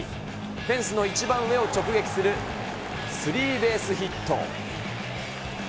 フェンスの一番上を直撃するスリーベースヒット。